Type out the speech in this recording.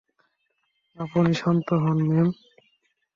আপনি শান্ত হোন, ম্যাম।